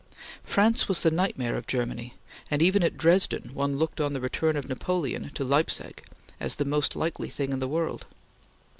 France was the nightmare of Germany, and even at Dresden one looked on the return of Napoleon to Leipsic as the most likely thing in the world.